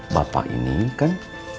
bapak ini kan